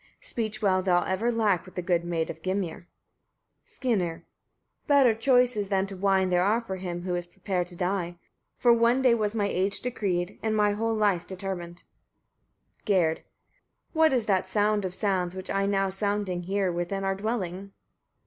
Speech wilt thou ever lack with the good maid of Gymir. Skirnir. 13. Better choices than to whine there are for him who is prepared to die: for one day was my age decreed, and my whole life determined. Gerd. 14. What is that sound of sounds, which I now sounding hear within our dwelling?